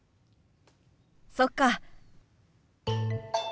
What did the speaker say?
そっか。